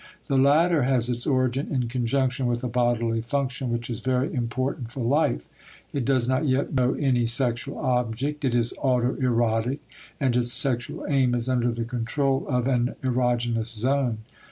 The latter has its origin in conjunction with a bodily function which is very important for life, it does not yet know any sexual object, it is autoerotic and its sexual aim is under the control of an erogenous zone.